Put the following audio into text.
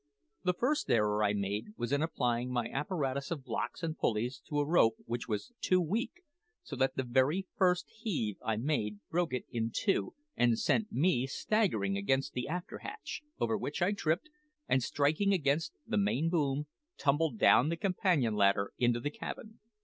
The first error I made was in applying my apparatus of blocks and pulleys to a rope which was too weak, so that the very first heave I made broke it in two, and sent me staggering against the after hatch, over which I tripped, and striking against the main boom, tumbled down the companion ladder into the cabin.